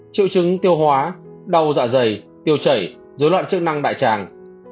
triệu chứng tiêu hóa đau dạ dày tiêu chảy dối loạn chức năng đại tràng